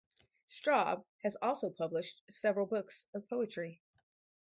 Straub has also published several books of poetry.